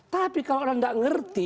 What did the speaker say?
tapi kalau orang tidak mengerti